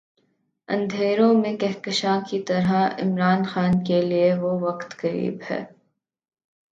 اندھیروں میں کہکشاں کی طرح عمران خان کے لیے وہ وقت قریب ہے۔